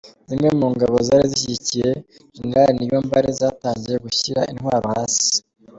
Zimwe mu ngabo zari zishyigikiye Gen Niyombare zatangiye gushyira intwaro hasi